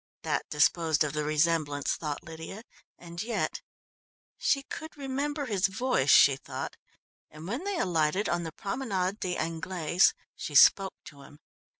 That disposed of the resemblance, thought Lydia, and yet she could remember his voice, she thought, and when they alighted on the Promenade des Anglaise she spoke to him.